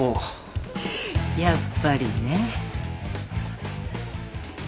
やっぱりね。